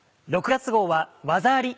６月号は「ワザあり！